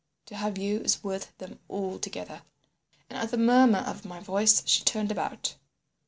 to have you is worth them all together.' And at the murmur of my voice she turned about.